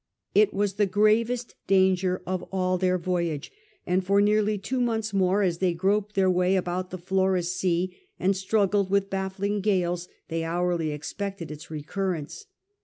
It was the gravest danger of all their voyage, and for nearly two months more, as they groped their way about the Floris Sea and struggled with bajffling gales, they hourly expected its recurrence.